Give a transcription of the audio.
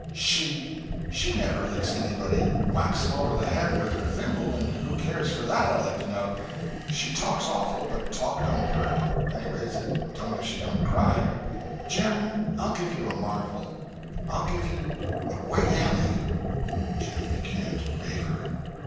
"She! She never licks anybody—whacks 'em over the head with her thimble—and who cares for that, I'd like to know. She talks awful, but talk don't hurt—anyways it don't if she don't cry. Jim, I'll give you a marvel. I'll give you a white alley!" Jim began to waver.